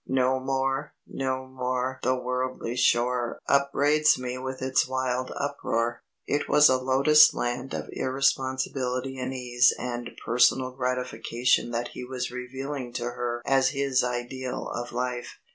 "'No more, no more The worldly shore Upbraids me with its wild uproar '" It was a Lotus land of irresponsibility and ease and personal gratification that he was revealing to her as his ideal of life.